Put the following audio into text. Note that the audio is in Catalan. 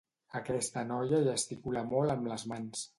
Aquesta noia gesticula molt amb les mans.